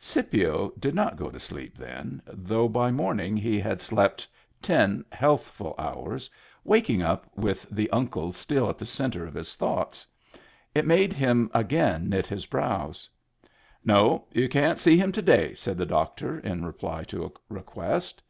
Scipio did not go_ to sleep then, though by morning he had slept ten healthful hours, wak ing with the Uncle still at the centre of his thoughts. It made him again knit his brows. " No, you can't see him to day," said the doctor, in reply to a request.